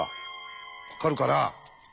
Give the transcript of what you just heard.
分かるかな？